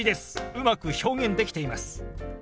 うまく表現できています。